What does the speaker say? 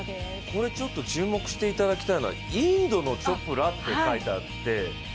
これ注目していただきたいのはインドのチョプラって書いてあって。